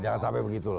jangan sampai begitulah